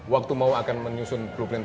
waktu mau akan menyusun blueprint